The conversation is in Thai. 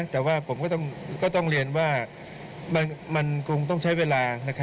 แต่ว่าผมก็ต้องเรียนว่ามันคงต้องใช้เวลา